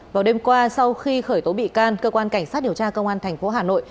vào đêm qua sau khi khởi tố bị can cơ quan cảnh sát điều tra công an thành phố hà nội